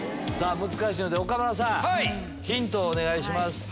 難しいので岡村さんヒントお願いします。